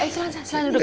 ayo silahkan duduk